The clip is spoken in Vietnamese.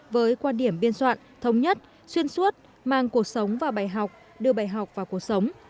với quan điểm biên soạn thống nhất xuyên suốt mang cuộc sống và bài học đưa bài học vào cuộc sống